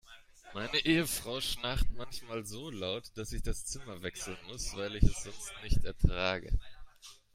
Meine Ehefrau schnarcht manchmal so laut, dass ich das Zimmer wechseln muss, weil ich es sonst nicht ertrage.